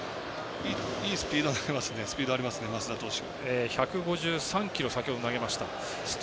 いいスピードありますね益田投手。